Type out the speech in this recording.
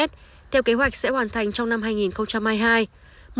theo kế hoạch sẽ hoàn thành trong năm hai nghìn hai mươi hai